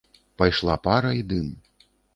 Пайшла пара і дым.